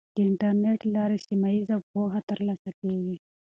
د انټرنیټ له لارې سیمه ییزه پوهه ترلاسه کیږي.